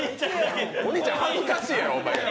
お兄ちゃん恥ずかしいやろ。